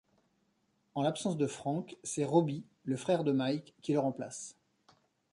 En l'absence de Frank, c'est Robbie, le frère de Mike, qui le remplace.